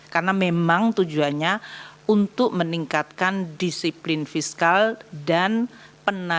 karena memang tujuannya untuk meningkatkan disiplin fiskal dan penelitian